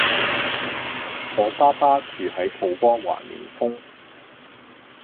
我爸爸住喺土瓜灣迎豐